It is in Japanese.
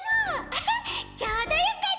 アハッちょうどよかった。